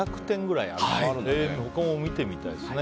他も見てみたいですね。